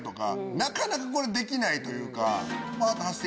なかなかこれできないというか。